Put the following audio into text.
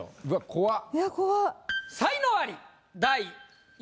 怖っ。